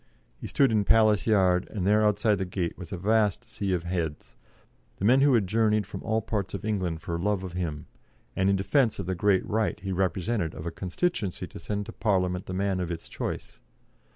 '" He stood in Palace Yard, and there outside the gate was a vast sea of heads, the men who had journeyed from all parts of England for love of him, and in defence of the great right he represented of a constituency to send to Parliament the man of its choice.